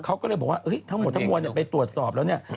เขาก็เลยบอกว่าทั้งหมดทั้งมวลไปตรวจสอบแล้วเนี่ย